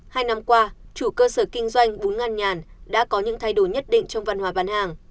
hai năm qua chủ cơ sở kinh doanh bún ngăn nhàn đã có những thay đổi nhất định trong văn hóa bán hàng